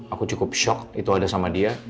aku cukup shock itu ada sama dia